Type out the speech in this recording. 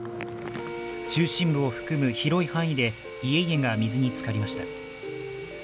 中心部を含む広い範囲で家々が水につかりました。